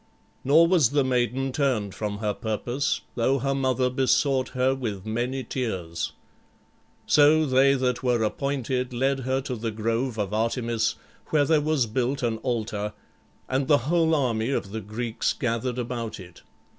Nor was the maiden turned from her purpose though her mother besought her with many tears. So they that were appointed led her to the grove of Artemis, where there was built an altar, and the whole army of the Greeks gathered about it.